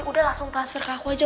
udah langsung transfer ke aku aja